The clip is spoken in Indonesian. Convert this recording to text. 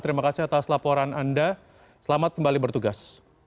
terima kasih atas laporan anda selamat kembali bertugas